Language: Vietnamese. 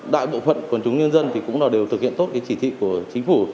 đại bộ phận quần chúng dân cũng đều thực hiện tốt chỉ thị của chính phủ